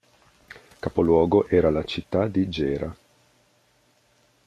Capoluogo era la città di Gera.